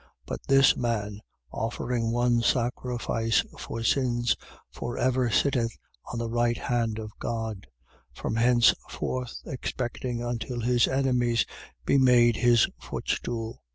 10:12. But this man, offering one sacrifice for sins, for ever sitteth on the right hand of God, 10:13. From henceforth expecting until his enemies be made his footstool.